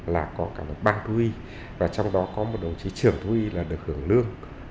là có cả ba thú y và trong đó có một đồng chí trường thú y là được hưởng lương